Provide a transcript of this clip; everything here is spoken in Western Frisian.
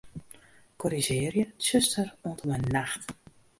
Korrizjearje 'tsjuster' oant en mei 'nacht'.